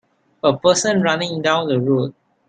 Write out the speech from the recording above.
A person running down the road